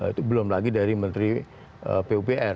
itu belum lagi dari menteri pemimpinan nasional